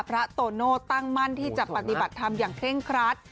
โตโน่ตั้งมั่นที่จะปฏิบัติธรรมอย่างเคร่งครัด